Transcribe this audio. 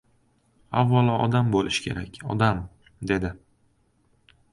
— Avvalo odam bo‘lish kerak, odam! — dedi.